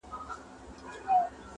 معرفت ته یې حاجت نه وینم چاته.